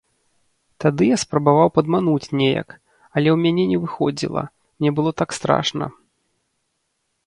Тады я спрабаваў падмануць неяк, але ў мяне не выходзіла, мне было так страшна.